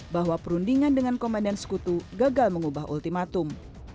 bahwa perundingan dengan komandan sekutu gagal mengubah ultimatum